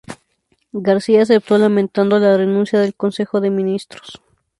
García, aceptó lamentando la renuncia del consejo de ministros.